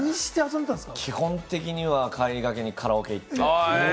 基本的には帰りがけにカラオケ行って。